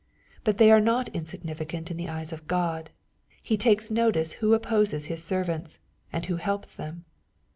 But they are not insignificant in the eyes of God. He takes notice who opposes His servants, and who helps them.